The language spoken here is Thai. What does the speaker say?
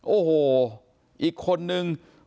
โอ้โหอีกคนนึง